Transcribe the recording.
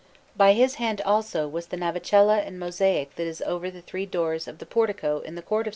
By his hand, also, was the Navicella in mosaic that is over the three doors of the portico in the court of S.